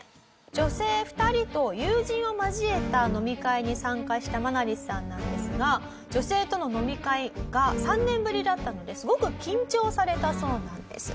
女性２人と友人を交えた飲み会に参加したマナリスさんなんですが女性との飲み会が３年ぶりだったのですごく緊張されたそうなんです。